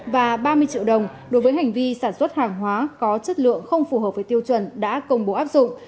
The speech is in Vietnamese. và ba mươi triệu đồng đối với hành vi sản xuất hàng hóa có chất lượng không phù hợp với tiêu chuẩn đã công bố áp dụng